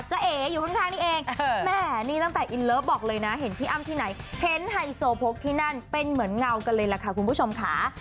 เอ๋อยู่ข้างนี่เองแหมนี่ตั้งแต่อินเลิฟบอกเลยนะเห็นพี่อ้ำที่ไหนเห็นไฮโซโพกที่นั่นเป็นเหมือนเงากันเลยล่ะค่ะคุณผู้ชมค่ะ